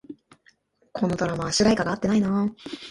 このドラマ、主題歌が合ってないな